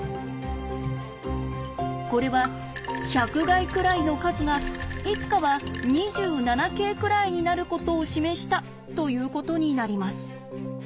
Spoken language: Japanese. これは１００垓くらいの数がいつかは２７京くらいになることを示したということになります。